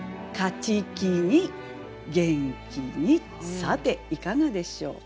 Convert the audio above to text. さていかがでしょう？